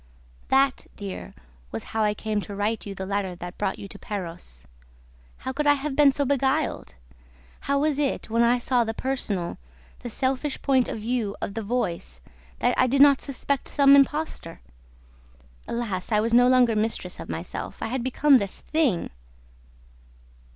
That, dear, was how I came to write you the letter that brought you to Perros. How could I have been so beguiled? How was it, when I saw the personal, the selfish point of view of the voice, that I did not suspect some impostor? Alas, I was no longer mistress of myself: I had become his thing!"